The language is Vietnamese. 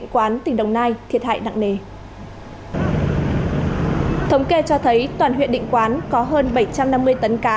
quán tỉnh đồng nai thiệt hại nặng nề thống kê cho thấy toàn huyện định quán có hơn bảy trăm năm mươi tấn cá